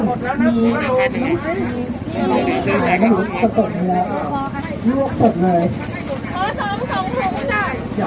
สวัสดีครับทุกคนวันนี้เกิดขึ้นเกิดขึ้นทุกวันนี้นะครับ